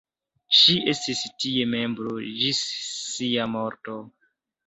Ŝi estis tie membro ĝis sia morto.